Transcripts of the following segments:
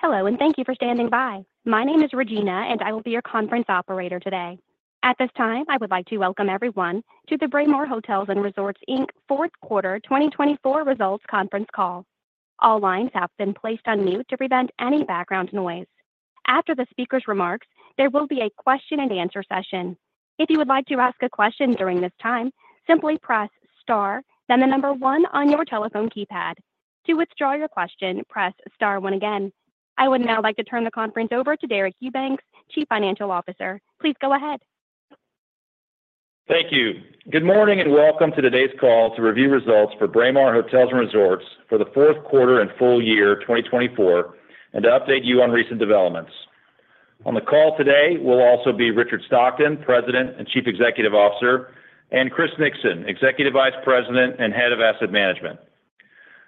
Hello, and thank you for standing by. My name is Regina, and I will be your conference operator today. At this time, I would like to welcome everyone to the Braemar Hotels & Resorts Fourth Quarter 2024 Results Conference Call. All lines have been placed on mute to prevent any background noise. After the speaker's remarks, there will be a question-and-answer session. If you would like to ask a question during this time, simply press star, then the number one on your telephone keypad. To withdraw your question, press star one again. I would now like to turn the conference over to Deric Eubanks, Chief Financial Officer. Please go ahead. Thank you. Good morning and welcome to today's call to review results for Braemar Hotels & Resorts for the fourth quarter and full year 2024, and to update you on recent developments. On the call today will also be Richard Stockton, President and Chief Executive Officer, and Chris Nixon, Executive Vice President and Head of Asset Management.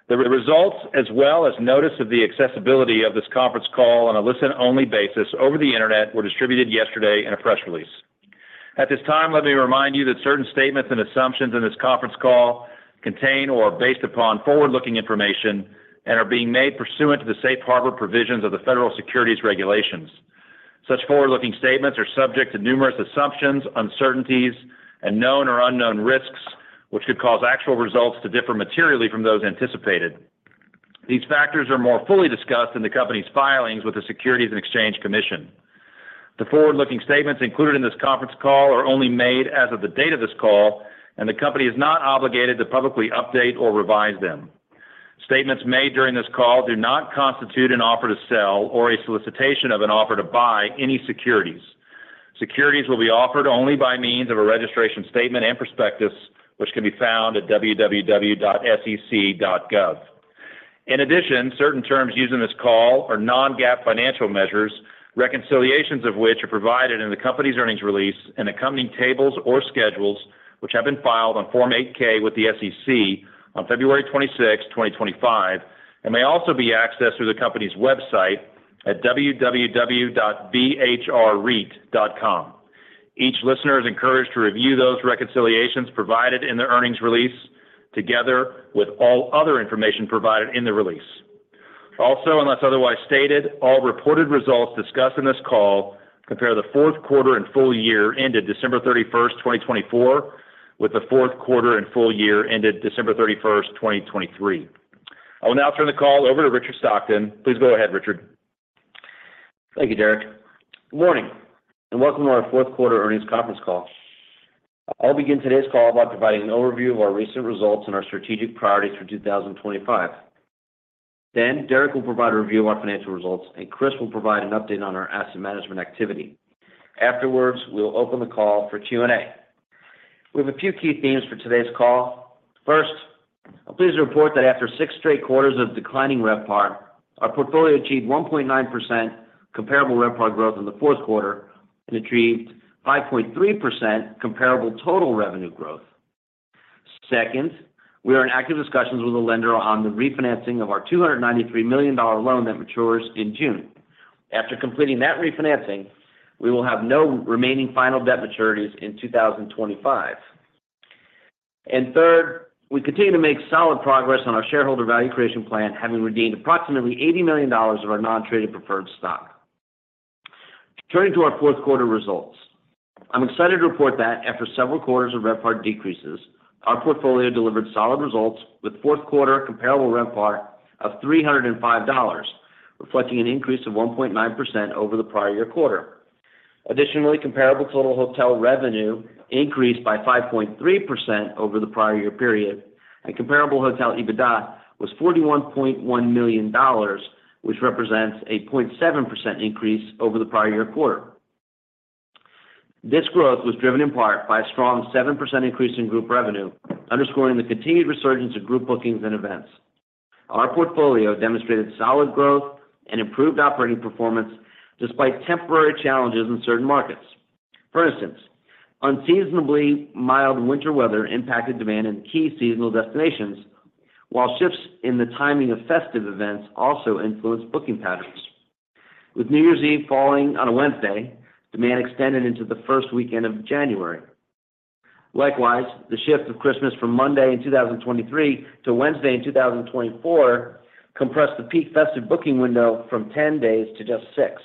The results, as well as notice of the accessibility of this conference call on a listen-only basis over the internet, were distributed yesterday in a press release. At this time, let me remind you that certain statements and assumptions in this conference call contain or are based upon forward-looking information and are being made pursuant to the safe harbor provisions of the federal securities regulations. Such forward-looking statements are subject to numerous assumptions, uncertainties, and known or unknown risks, which could cause actual results to differ materially from those anticipated. These factors are more fully discussed in the company's filings with the Securities and Exchange Commission. The forward-looking statements included in this conference call are only made as of the date of this call, and the company is not obligated to publicly update or revise them. Statements made during this call do not constitute an offer to sell or a solicitation of an offer to buy any securities. Securities will be offered only by means of a registration statement and prospectus, which can be found at www.sec.gov. In addition, certain terms used in this call are non-GAAP financial measures, reconciliations of which are provided in the company's earnings release and accompanying tables or schedules which have been filed on Form 8K with the SEC on February 26, 2025, and may also be accessed through the company's website at www.bhrreit.com. Each listener is encouraged to review those reconciliations provided in the earnings release together with all other information provided in the release. Also, unless otherwise stated, all reported results discussed in this call compare the fourth quarter and full year ended December 31, 2024, with the fourth quarter and full year ended December 31, 2023. I will now turn the call over to Richard Stockton. Please go ahead, Richard. Thank you, Deric. Good morning and welcome to our fourth quarter earnings conference call. I'll begin today's call by providing an overview of our recent results and our strategic priorities for 2025. Then Deric will provide a review of our financial results, and Chris will provide an update on our asset management activity. Afterwards, we'll open the call for Q&A. We have a few key themes for today's call. First, I'm pleased to report that after six straight quarters of declining RevPAR, our portfolio achieved 1.9% comparable RevPAR growth in the fourth quarter and achieved 5.3% comparable total revenue growth. Second, we are in active discussions with a lender on the refinancing of our $293 million loan that matures in June. After completing that refinancing, we will have no remaining final debt maturities in 2025. Third, we continue to make solid progress on our shareholder value creation plan, having redeemed approximately $80 million of our non-traded preferred stock. Turning to our fourth quarter results, I'm excited to report that after several quarters of RevPAR decreases, our portfolio delivered solid results with fourth quarter comparable RevPAR of $305, reflecting an increase of 1.9% over the prior year quarter. Additionally, comparable total hotel revenue increased by 5.3% over the prior year period, and comparable hotel EBITDA was $41.1 million, which represents a 0.7% increase over the prior year quarter. This growth was driven in part by a strong 7% increase in group revenue, underscoring the continued resurgence of group bookings and events. Our portfolio demonstrated solid growth and improved operating performance despite temporary challenges in certain markets. For instance, unseasonably mild winter weather impacted demand in key seasonal destinations, while shifts in the timing of festive events also influenced booking patterns. With New Year's Eve falling on a Wednesday, demand extended into the first weekend of January. Likewise, the shift of Christmas from Monday in 2023 to Wednesday in 2024 compressed the peak festive booking window from 10 days to just six.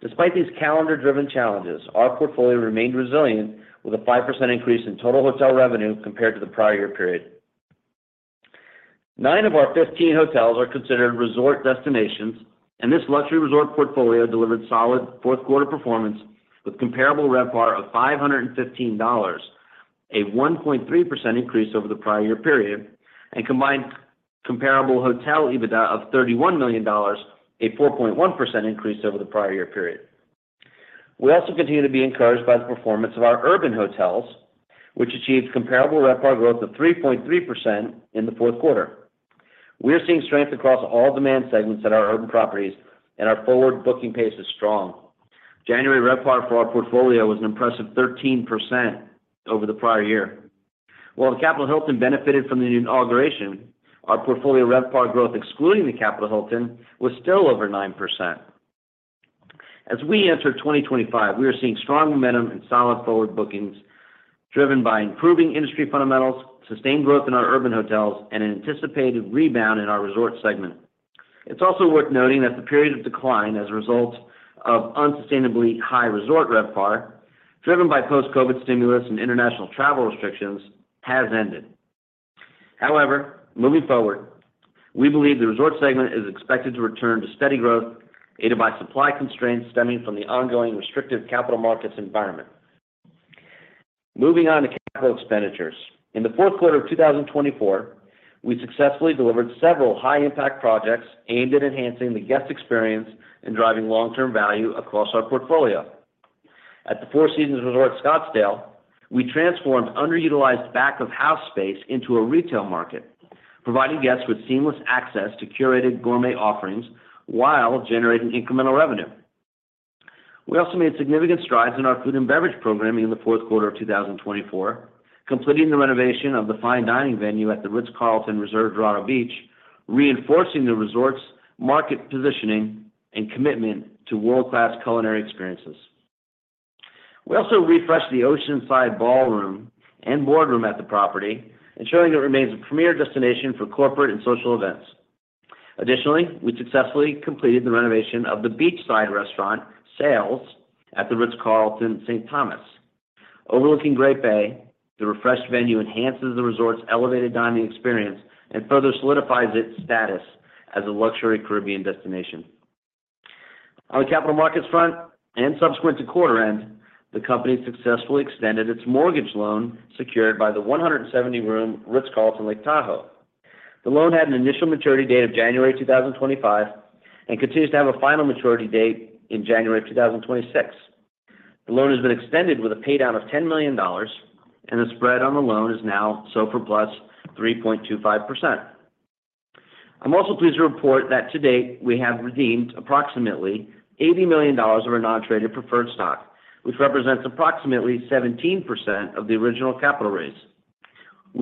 Despite these calendar-driven challenges, our portfolio remained resilient with a 5% increase in total hotel revenue compared to the prior year period. Nine of our 15 hotels are considered resort destinations, and this luxury resort portfolio delivered solid fourth quarter performance with comparable RevPAR of $515, a 1.3% increase over the prior year period, and combined comparable hotel EBITDA of $31 million, a 4.1% increase over the prior year period. We also continue to be encouraged by the performance of our urban hotels, which achieved comparable RevPAR growth of 3.3% in the fourth quarter. We are seeing strength across all demand segments at our urban properties, and our forward booking pace is strong. January RevPAR for our portfolio was an impressive 13% over the prior year. While the Capitol Hilton benefited from the inauguration, our portfolio RevPAR growth excluding the Capitol Hilton was still over 9%. As we enter 2025, we are seeing strong momentum and solid forward bookings driven by improving industry fundamentals, sustained growth in our urban hotels, and an anticipated rebound in our resort segment. It's also worth noting that the period of decline as a result of unsustainably high resort RevPAR, driven by post-COVID stimulus and international travel restrictions, has ended. However, moving forward, we believe the resort segment is expected to return to steady growth, aided by supply constraints stemming from the ongoing restrictive capital markets environment. Moving on to capital expenditures. In the fourth quarter of 2024, we successfully delivered several high-impact projects aimed at enhancing the guest experience and driving long-term value across our portfolio. At the Four Seasons Resort Scottsdale, we transformed underutilized back-of-house space into a retail market, providing guests with seamless access to curated gourmet offerings while generating incremental revenue. We also made significant strides in our food and beverage programming in the fourth quarter of 2024, completing the renovation of the fine dining venue at the Ritz-Carlton Reserve Dorado Beach, reinforcing the resort's market positioning and commitment to world-class culinary experiences. We also refreshed the oceanside ballroom and boardroom at the property, ensuring it remains a premier destination for corporate and social events. Additionally, we successfully completed the renovation of the beachside restaurant Sales at the Ritz-Carlton St. Thomas. Overlooking Great Bay, the refreshed venue enhances the resort's elevated dining experience and further solidifies its status as a luxury Caribbean destination. On the capital markets front, and subsequent to quarter-end, the company successfully extended its mortgage loan secured by the 170-room Ritz-Carlton Lake Tahoe. The loan had an initial maturity date of January 2025 and continues to have a final maturity date in January 2026. The loan has been extended with a paydown of $10 million, and the spread on the loan is now SOFR plus 3.25%. I'm also pleased to report that to date, we have redeemed approximately $80 million of our non-traded preferred stock, which represents approximately 17% of the original capital raise.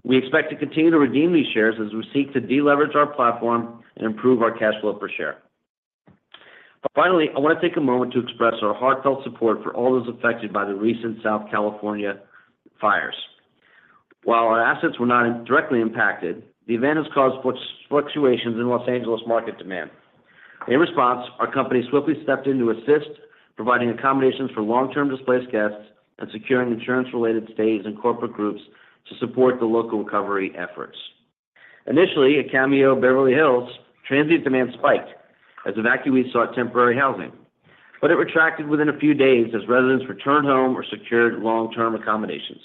We expect to continue to redeem these shares as we seek to deleverage our platform and improve our cash flow per share. Finally, I want to take a moment to express our heartfelt support for all those affected by the recent Southern California fires. While our assets were not directly impacted, the event has caused fluctuations in Los Angeles market demand. In response, our company swiftly stepped in to assist, providing accommodations for long-term displaced guests and securing insurance-related stays in corporate groups to support the local recovery efforts. Initially, at Cameo Beverly Hills, transient demand spiked as evacuees sought temporary housing, but it retracted within a few days as residents returned home or secured long-term accommodations.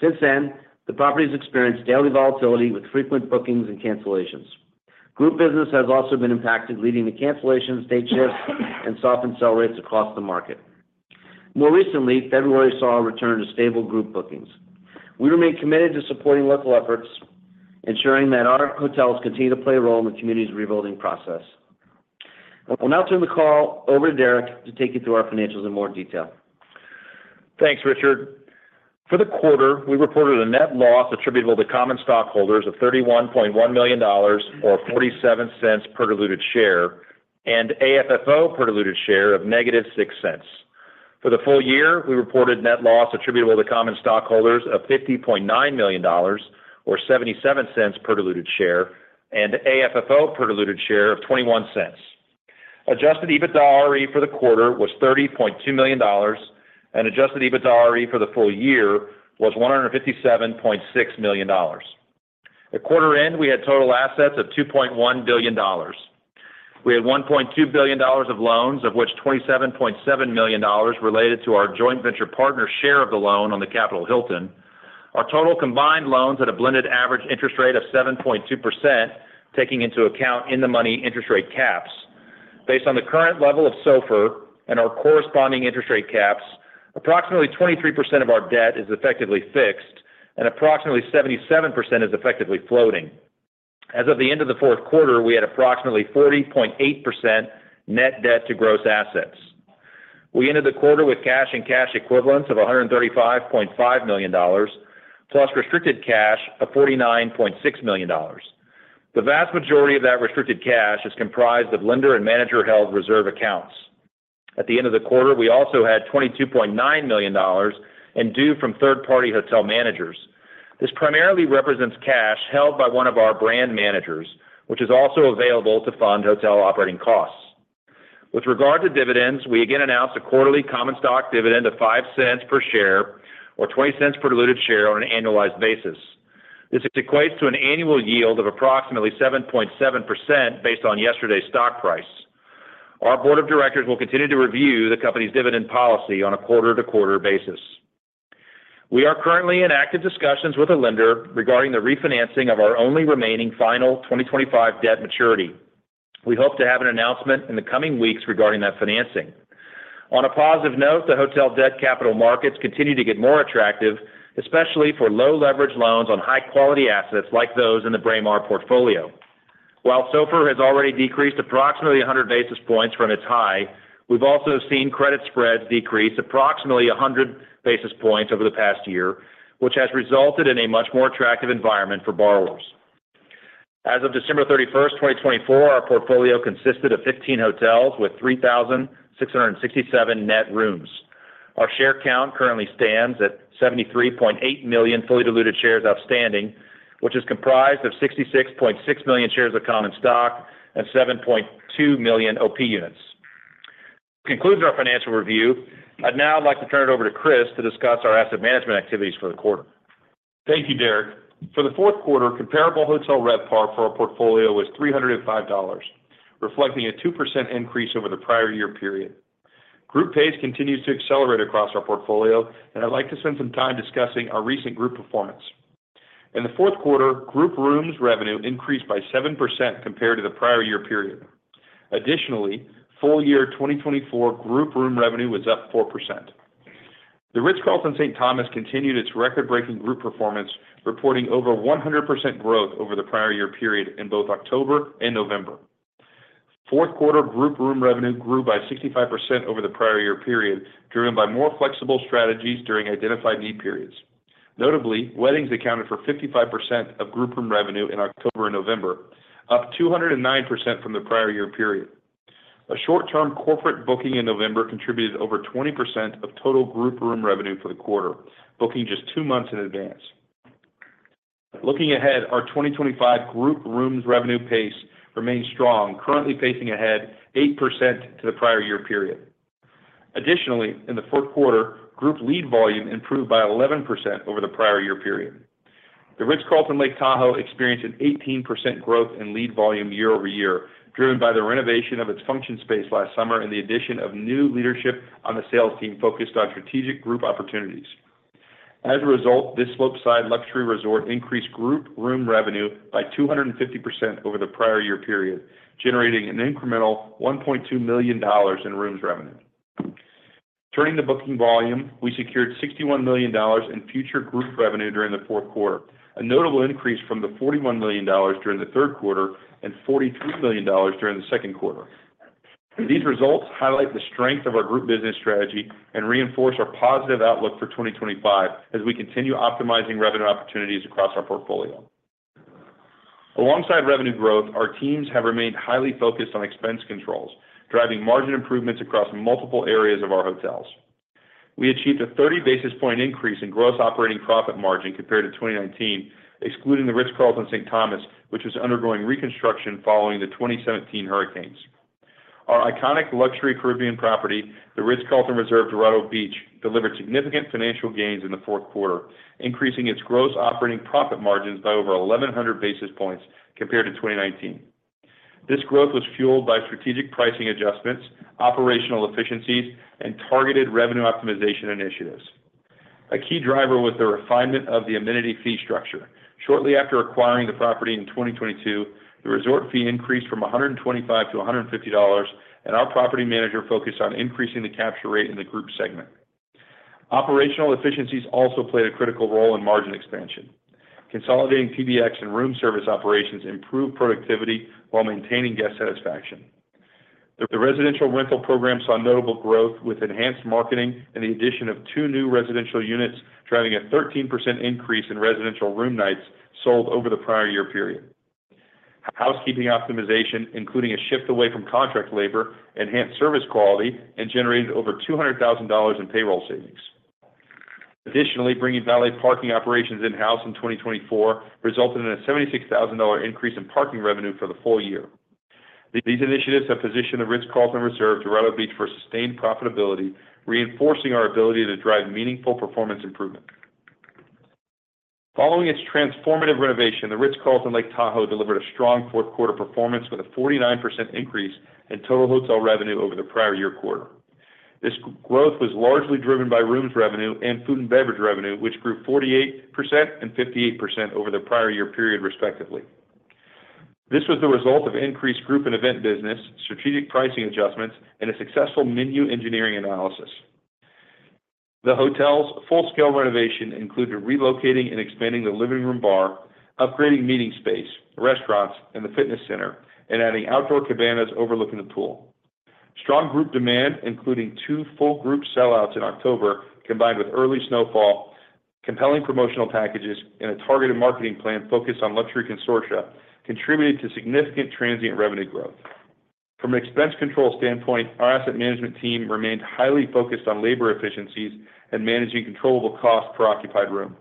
Since then, the property has experienced daily volatility with frequent bookings and cancellations. Group business has also been impacted, leading to cancellations, date shifts, and softened sell rates across the market. More recently, February saw a return to stable group bookings. We remain committed to supporting local efforts, ensuring that our hotels continue to play a role in the community's rebuilding process. I will now turn the call over to Deric to take you through our financials in more detail. Thanks, Richard. For the quarter, we reported a net loss attributable to common stockholders of $31.1 million or $0.47 per diluted share and AFFO per diluted share of negative $0.06. For the full year, we reported net loss attributable to common stockholders of $50.9 million or $0.77 per diluted share and AFFO per diluted share of $0.21. Adjusted EBITDA for the quarter was $30.2 million, and adjusted EBITDA for the full year was $157.6 million. At quarter-end, we had total assets of $2.1 billion. We had $1.2 billion of loans, of which $27.7 million related to our joint venture partner's share of the loan on the Capitol Hilton. Our total combined loans had a blended average interest rate of 7.2%, taking into account in-the-money interest rate caps. Based on the current level of SOFR and our corresponding interest rate caps, approximately 23% of our debt is effectively fixed and approximately 77% is effectively floating. As of the end of the fourth quarter, we had approximately 40.8% net debt to gross assets. We ended the quarter with cash and cash equivalents of $135.5 million, plus restricted cash of $49.6 million. The vast majority of that restricted cash is comprised of lender and manager-held reserve accounts. At the end of the quarter, we also had $22.9 million in due from third-party hotel managers. This primarily represents cash held by one of our brand managers, which is also available to fund hotel operating costs. With regard to dividends, we again announced a quarterly common stock dividend of $0.05 per share or $0.20 per diluted share on an annualized basis. This equates to an annual yield of approximately 7.7% based on yesterday's stock price. Our board of directors will continue to review the company's dividend policy on a quarter-to-quarter basis. We are currently in active discussions with a lender regarding the refinancing of our only remaining final 2025 debt maturity. We hope to have an announcement in the coming weeks regarding that financing. On a positive note, the hotel debt capital markets continue to get more attractive, especially for low-leverage loans on high-quality assets like those in the Braemar portfolio. While SOFR has already decreased approximately 100 basis points from its high, we've also seen credit spreads decrease approximately 100 basis points over the past year, which has resulted in a much more attractive environment for borrowers. As of December 31, 2024, our portfolio consisted of 15 hotels with 3,667 net rooms. Our share count currently stands at 73.8 million fully diluted shares outstanding, which is comprised of 66.6 million shares of common stock and 7.2 million OP units. This concludes our financial review. I'd now like to turn it over to Chris to discuss our asset management activities for the quarter. Thank you, Deric. For the fourth quarter, comparable hotel RevPAR for our portfolio was $305, reflecting a 2% increase over the prior year period. Group pace continues to accelerate across our portfolio, and I'd like to spend some time discussing our recent group performance. In the fourth quarter, group rooms revenue increased by 7% compared to the prior year period. Additionally, full year 2024 group room revenue was up 4%. The Ritz-Carlton St. Thomas continued its record-breaking group performance, reporting over 100% growth over the prior year period in both October and November. Fourth quarter group room revenue grew by 65% over the prior year period, driven by more flexible strategies during identified need periods. Notably, weddings accounted for 55% of group room revenue in October and November, up 209% from the prior year period. A short-term corporate booking in November contributed over 20% of total group room revenue for the quarter, booking just two months in advance. Looking ahead, our 2025 group rooms revenue pace remains strong, currently pacing ahead 8% to the prior year period. Additionally, in the fourth quarter, group lead volume improved by 11% over the prior year period. The Ritz-Carlton Lake Tahoe experienced an 18% growth in lead volume year over year, driven by the renovation of its function space last summer and the addition of new leadership on the sales team focused on strategic group opportunities. As a result, this slopeside luxury resort increased group room revenue by 250% over the prior year period, generating an incremental $1.2 million in rooms revenue. Turning to the booking volume, we secured $61 million in future group revenue during the fourth quarter, a notable increase from the $41 million during the third quarter and $43 million during the second quarter. These results highlight the strength of our group business strategy and reinforce our positive outlook for 2025 as we continue optimizing revenue opportunities across our portfolio. Alongside revenue growth, our teams have remained highly focused on expense controls, driving margin improvements across multiple areas of our hotels. We achieved a 30-basis point increase in gross operating profit margin compared to 2019, excluding the Ritz-Carlton St. Thomas, which was undergoing reconstruction following the 2017 hurricanes. Our iconic luxury Caribbean property, the Ritz-Carlton Reserve Dorado Beach, delivered significant financial gains in the fourth quarter, increasing its gross operating profit margins by over 1,100 basis points compared to 2019. This growth was fueled by strategic pricing adjustments, operational efficiencies, and targeted revenue optimization initiatives. A key driver was the refinement of the amenity fee structure. Shortly after acquiring the property in 2022, the resort fee increased from $125 to $150, and our property manager focused on increasing the capture rate in the group segment. Operational efficiencies also played a critical role in margin expansion. Consolidating PBX and room service operations improved productivity while maintaining guest satisfaction. The residential rental program saw notable growth with enhanced marketing and the addition of two new residential units, driving a 13% increase in residential room nights sold over the prior year period. Housekeeping optimization, including a shift away from contract labor, enhanced service quality and generated over $200,000 in payroll savings. Additionally, bringing valet parking operations in-house in 2024 resulted in a $76,000 increase in parking revenue for the full year. These initiatives have positioned the Ritz-Carlton Reserve Dorado Beach for sustained profitability, reinforcing our ability to drive meaningful performance improvement. Following its transformative renovation, the Ritz-Carlton Lake Tahoe delivered a strong fourth quarter performance with a 49% increase in total hotel revenue over the prior year quarter. This growth was largely driven by rooms revenue and food and beverage revenue, which grew 48% and 58% over the prior year period, respectively. This was the result of increased group and event business, strategic pricing adjustments, and a successful menu engineering analysis. The hotel's full-scale renovation included relocating and expanding the living room bar, upgrading meeting space, restaurants, and the fitness center, and adding outdoor cabanas overlooking the pool. Strong group demand, including two full group sellouts in October, combined with early snowfall, compelling promotional packages, and a targeted marketing plan focused on luxury consortia, contributed to significant transient revenue growth. From an expense control standpoint, our asset management team remained highly focused on labor efficiencies and managing controllable costs per occupied room.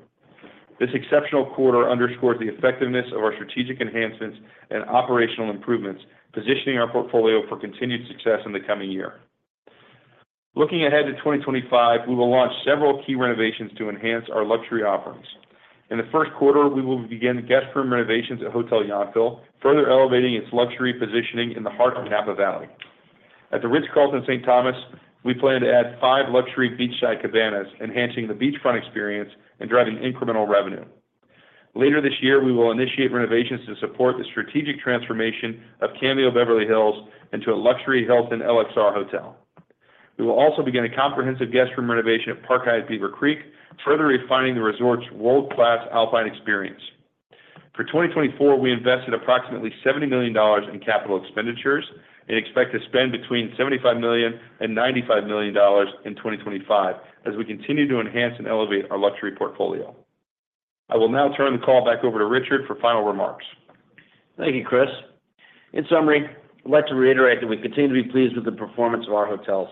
This exceptional quarter underscores the effectiveness of our strategic enhancements and operational improvements, positioning our portfolio for continued success in the coming year. Looking ahead to 2025, we will launch several key renovations to enhance our luxury offerings. In the first quarter, we will begin guest room renovations at Hotel Yountville, further elevating its luxury positioning in the heart of Napa Valley. At the Ritz-Carlton St. Thomas, we plan to add five luxury beachside cabanas, enhancing the beachfront experience and driving incremental revenue. Later this year, we will initiate renovations to support the strategic transformation of Cameo Beverly Hills into a luxury Hilton LXR hotel. We will also begin a comprehensive guest room renovation at Park Hyatt Beaver Creek, further refining the resort's world-class alpine experience. For 2024, we invested approximately $70 million in capital expenditures and expect to spend between $75 million and $95 million in 2025 as we continue to enhance and elevate our luxury portfolio. I will now turn the call back over to Richard for final remarks. Thank you, Chris. In summary, I'd like to reiterate that we continue to be pleased with the performance of our hotels,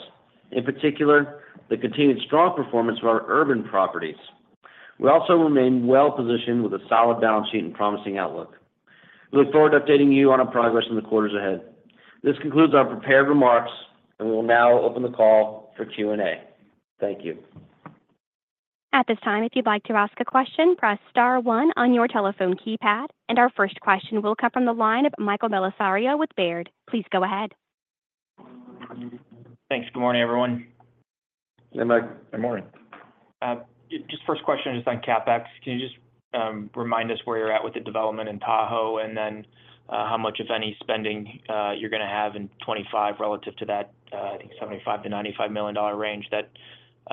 in particular the continued strong performance of our urban properties. We also remain well-positioned with a solid balance sheet and promising outlook. We look forward to updating you on our progress in the quarters ahead. This concludes our prepared remarks, and we will now open the call for Q&A. Thank you. At this time, if you'd like to ask a question, press star one on your telephone keypad, and our first question will come from the line of Michael Bellisario with Baird. Please go ahead. Thanks. Good morning, everyone. Good morning. Just first question just on CapEx. Can you just remind us where you're at with the development in Tahoe and then how much, if any, spending you're going to have in 2025 relative to that, I think, $75 million-$95 million range that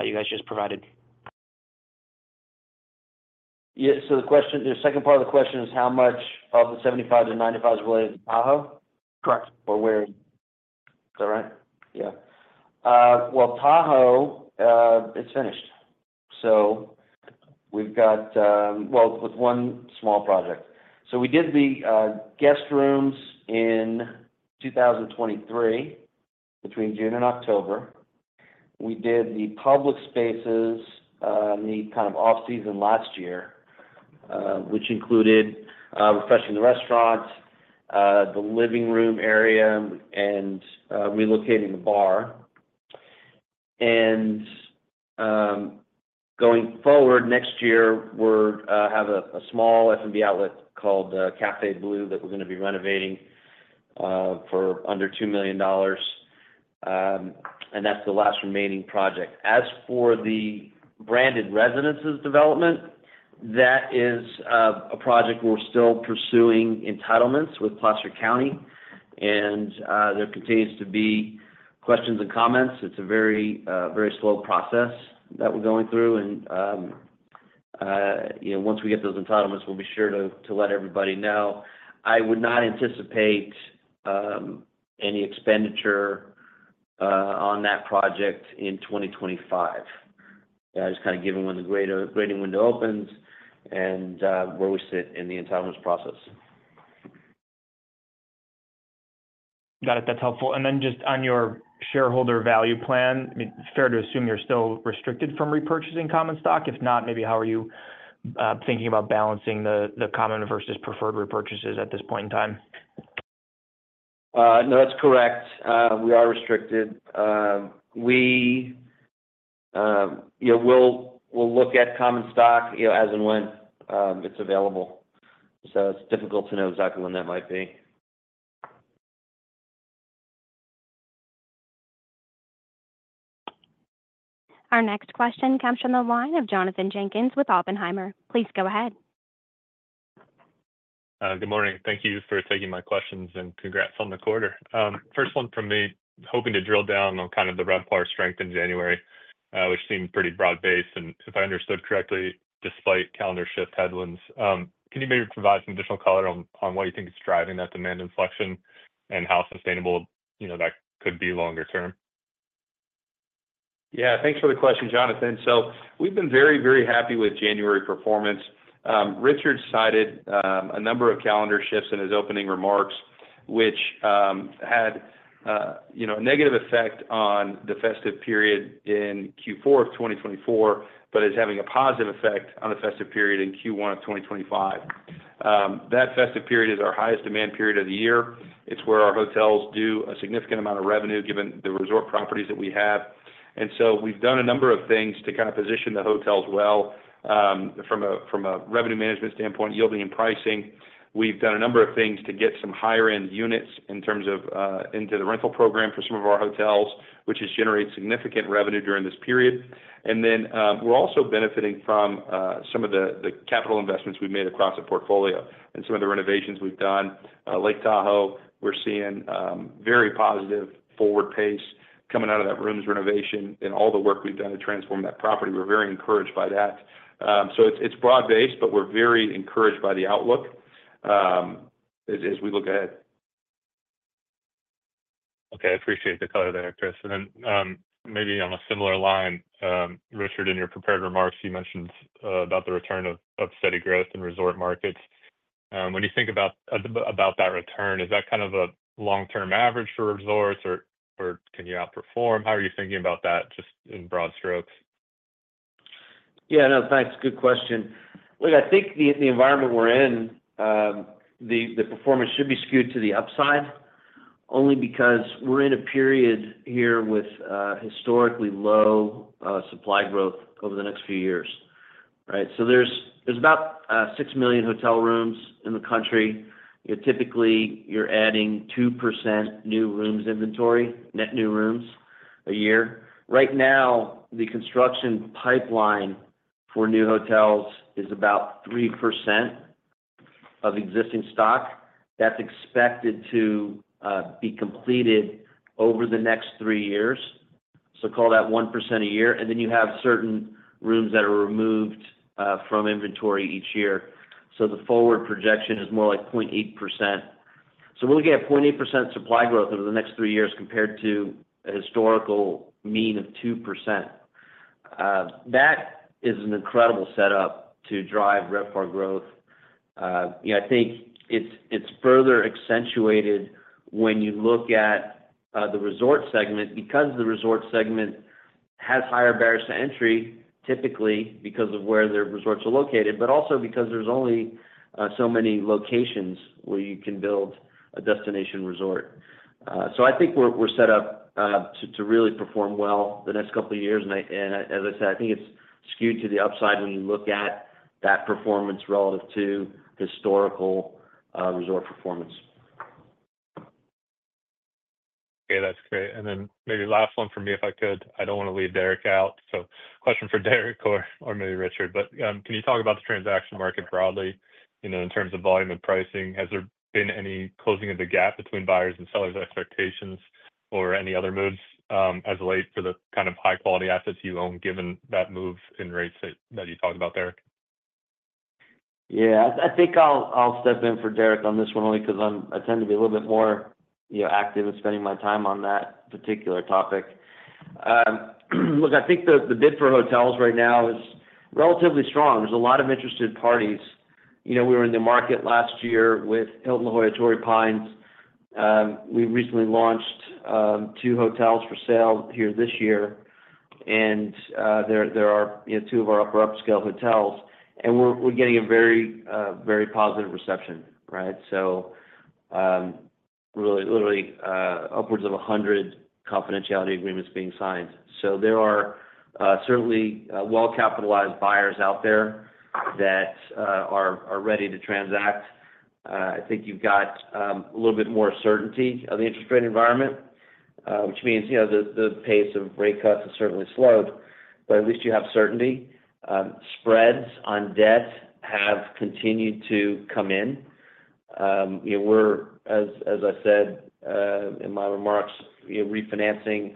you guys just provided? Yeah. The question, the second part of the question is how much of the $75-$95 is related to Tahoe? Correct. Is that right? Yeah. Tahoe is finished. We have, with one small project, done the guest rooms in 2023 between June and October. We did the public spaces in the kind of off-season last year, which included refreshing the restaurant, the living room area, and relocating the bar. Going forward next year, we have a small F&B outlet called Café Blue that we are going to be renovating for under $2 million. That is the last remaining project. As for the branded residences development, that is a project we are still pursuing entitlements with Placer County, and there continue to be questions and comments. It is a very, very slow process that we are going through. Once we get those entitlements, we will be sure to let everybody know. I would not anticipate any expenditure on that project in 2025. I just kind of give them when the grading window opens and where we sit in the entitlements process. Got it. That's helpful. And then just on your shareholder value plan, I mean, fair to assume you're still restricted from repurchasing common stock? If not, maybe how are you thinking about balancing the common versus preferred repurchases at this point in time? No, that's correct. We are restricted. We'll look at common stock as and when it's available. It is difficult to know exactly when that might be. Our next question comes from the line of Jonathan Jenkins with Oppenheimer. Please go ahead. Good morning. Thank you for taking my questions and congrats on the quarter. First one from me, hoping to drill down on kind of the RevPAR strength in January, which seemed pretty broad-based. If I understood correctly, despite calendar shift headwinds, can you maybe provide some additional color on why you think it's driving that demand inflection and how sustainable that could be longer term? Yeah. Thanks for the question, Jonathan. We've been very, very happy with January performance. Richard cited a number of calendar shifts in his opening remarks, which had a negative effect on the festive period in Q4 of 2024, but is having a positive effect on the festive period in Q1 of 2025. That festive period is our highest demand period of the year. It's where our hotels do a significant amount of revenue given the resort properties that we have. We've done a number of things to kind of position the hotels well from a revenue management standpoint, yielding in pricing. We've done a number of things to get some higher-end units into the rental program for some of our hotels, which has generated significant revenue during this period. We are also benefiting from some of the capital investments we have made across the portfolio and some of the renovations we have done. Lake Tahoe, we are seeing very positive forward pace coming out of that rooms renovation and all the work we have done to transform that property. We are very encouraged by that. It is broad-based, but we are very encouraged by the outlook as we look ahead. Okay. I appreciate the color there, Chris. And then maybe on a similar line, Richard, in your prepared remarks, you mentioned about the return of steady growth in resort markets. When you think about that return, is that kind of a long-term average for resorts, or can you outperform? How are you thinking about that just in broad strokes? Yeah. No, thanks. Good question. Look, I think the environment we're in, the performance should be skewed to the upside only because we're in a period here with historically low supply growth over the next few years, right? There are about 6 million hotel rooms in the country. Typically, you're adding 2% new rooms inventory, net new rooms a year. Right now, the construction pipeline for new hotels is about 3% of existing stock. That is expected to be completed over the next three years. Call that 1% a year. You have certain rooms that are removed from inventory each year. The forward projection is more like 0.8%. We are looking at 0.8% supply growth over the next three years compared to a historical mean of 2%. That is an incredible setup to drive RevPAR growth. I think it's further accentuated when you look at the resort segment because the resort segment has higher barriers to entry, typically because of where the resorts are located, but also because there's only so many locations where you can build a destination resort. I think we're set up to really perform well the next couple of years. As I said, I think it's skewed to the upside when you look at that performance relative to historical resort performance. Okay. That's great. Maybe last one for me, if I could. I do not want to leave Deric out. Question for Deric or maybe Richard. Can you talk about the transaction market broadly in terms of volume and pricing? Has there been any closing of the gap between buyers and sellers' expectations or any other moves as of late for the kind of high-quality assets you own, given that move in rates that you talked about, Deric? Yeah. I think I'll step in for Deric on this one only because I tend to be a little bit more active in spending my time on that particular topic. Look, I think the bid for hotels right now is relatively strong. There's a lot of interested parties. We were in the market last year with Hilton Hoyer Tory Pines. We recently launched two hotels for sale here this year. There are two of our upper-upscale hotels. We're getting a very, very positive reception, right? Literally upwards of 100 confidentiality agreements being signed. There are certainly well-capitalized buyers out there that are ready to transact. I think you've got a little bit more certainty of the interest rate environment, which means the pace of rate cuts has certainly slowed, but at least you have certainty. Spreads on debt have continued to come in. We're, as I said in my remarks, refinancing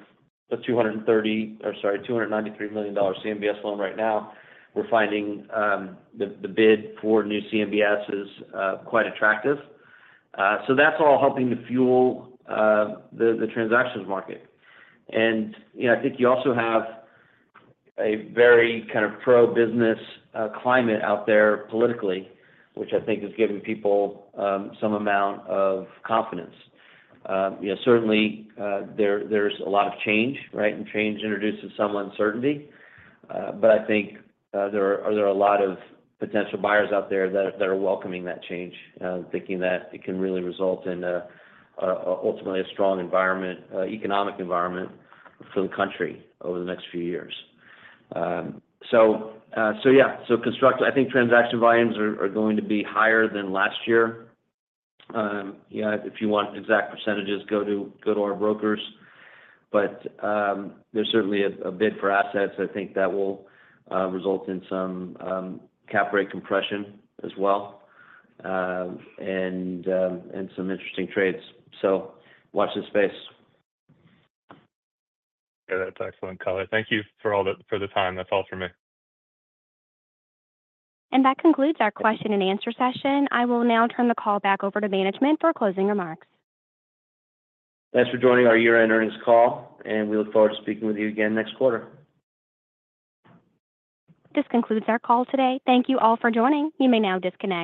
a $230 or sorry, $293 million CMBS loan right now. We're finding the bid for new CMBS's quite attractive. That is all helping to fuel the transactions market. I think you also have a very kind of pro-business climate out there politically, which I think is giving people some amount of confidence. Certainly, there is a lot of change, right? Change introduces some uncertainty. I think there are a lot of potential buyers out there that are welcoming that change, thinking that it can really result in ultimately a strong economic environment for the country over the next few years. Yeah. I think transaction volumes are going to be higher than last year. If you want exact percentages, go to our brokers. There is certainly a bid for assets. I think that will result in some cap rate compression as well and some interesting trades. Watch this space. Yeah. That's excellent, Colin. Thank you for the time. That's all for me. That concludes our question and answer session. I will now turn the call back over to management for closing remarks. Thanks for joining our year-end earnings call. We look forward to speaking with you again next quarter. This concludes our call today. Thank you all for joining. You may now disconnect.